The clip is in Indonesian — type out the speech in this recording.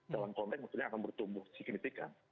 dalam konteks maksudnya akan bertumbuh signifikan